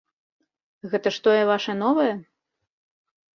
Гэта ж тое ваша новае?